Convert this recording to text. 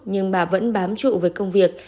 nhưng bà vẫn bám trụ với công việc